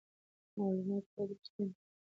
معلومات باید رښتیني وي.